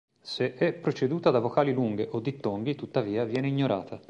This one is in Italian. Se è preceduta da vocali lunghe o dittonghi, tuttavia, viene ignorata.